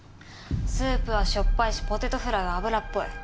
スープはしょっぱいしポテトフライは油っぽい。